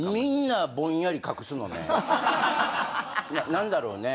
何だろうね。